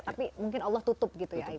tapi mungkin allah tutup